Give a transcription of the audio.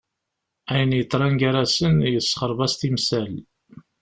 Ayen yeḍran gar-asen yessexreb-as timsal.